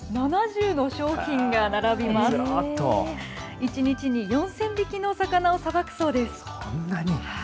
１日に４０００匹の魚をさばくそうです。